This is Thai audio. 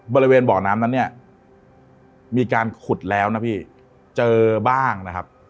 บริเวณบ่อน้ำนั้นเนี่ยมีการขุดแล้วนะพี่เจอบ้างนะครับ